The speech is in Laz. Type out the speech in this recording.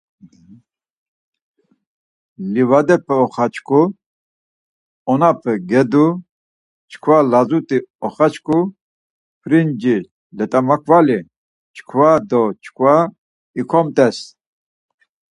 Livadepe oxaçku, onape gedu, çkva lazut̆i oxaçku, princi, let̆amarkvali çkva do çkva ikomt̆es.